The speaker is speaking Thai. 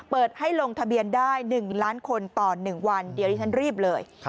เปิดให้ลงทะเบียนได้๑ล้านคนต่อ๑วันเดี๋ยวที่ฉันรีบเลย